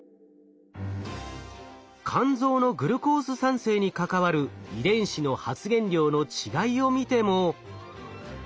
肝臓のグルコース産生に関わる遺伝子の発現量の違いを見ても。